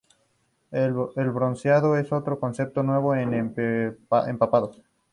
El bronceado es otro concepto nuevo en ¡Empapados!